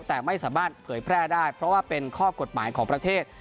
แต่ไม่สามารถเผยแพร่ได้เพราะว่าเป็นข้อกฎหมายของประเทศ